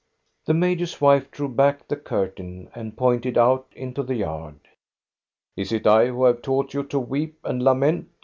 The major's wife drew back the curtain and pointed out into the yard. " Is it I who have taught you to weep and lament?